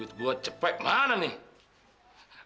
duit buat capek mana nih